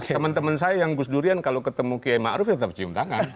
teman teman saya yang gusdurian kalau ketemu kiai ma'ruf tetap cium tangan